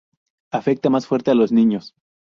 Afecta más fuerte a los niños.